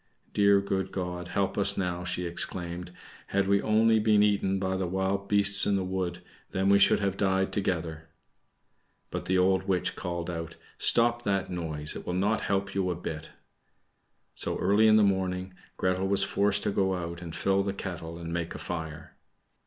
"Dear good God, help us now!" she exclaimed. "Had we only been eaten by the wild beasts in the wood, then we should have died together." But the old witch called out, "Stop that noise; it will not help you a bit." So, early in the morning, Gretel was forced to go out and fill the kettle, and make a fire.